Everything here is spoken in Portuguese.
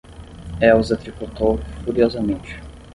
Elsa tricotou furiosamente.